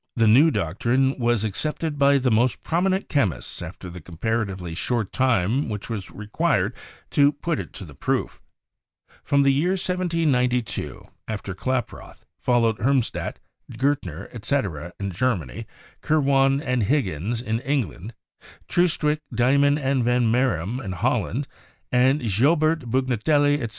The new doctrine was accepted by the most prominent chemists after the comparatively short time which was required to put it to the proof. From the year 1792, after Klaproth, following Hermbstadt, Girtan ner, etc., in Germany, Kirwan and Higgins in England, Troostwyk, Deiman and van Marum in Holland, and Gio bert, Brugnatelli, etc.